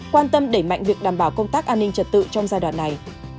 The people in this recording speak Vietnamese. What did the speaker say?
quan tâm đẩy mạnh việc đảm bảo công tác an ninh trật tự trong giai đoạn này